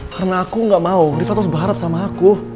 karena aku ga mau riva terus berharap sama aku